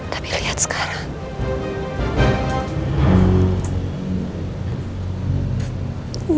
tapi lihat sekarang